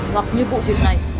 hoặc như vụ việc này